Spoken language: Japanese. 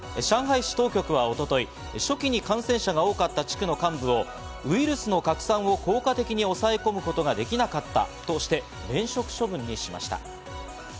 上海市当局は一昨日、初期に感染者が多かった地区の幹部をウイルスの拡散を効果的に抑え込むことができなかったとして現職処分にしました。